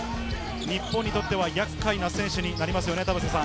日本にとっては厄介な選手になりますね。